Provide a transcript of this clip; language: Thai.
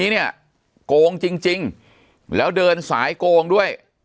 ปากกับภาคภูมิ